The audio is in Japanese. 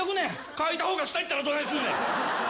書いたほうが下行ったらどないすんねん！